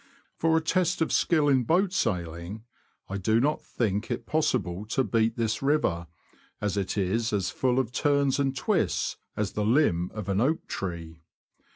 For a test of skill in boat sailing, I do not think it possible to beat this river, as it is as full of turns and twists as the limb of an oak tree.